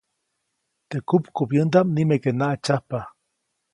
Teʼ kupkubyändaʼm nimeke naʼtsyajpa.